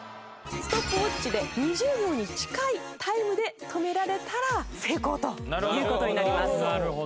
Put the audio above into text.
ストップウォッチで２０秒に近いタイムで止められたら成功という事になります。